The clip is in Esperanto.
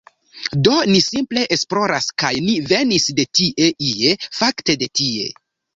Do ni simple esploras, kaj ni venis de tie ie, fakte de tie.